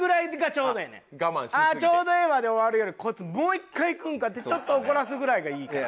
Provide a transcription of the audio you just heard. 「ちょうどええわ」で終わるより「こいつもう一回いくんか」ってちょっと怒らすぐらいがいいから。